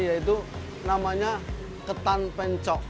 yaitu namanya ketan pencok